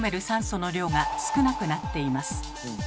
酸素の量が少なくなっています。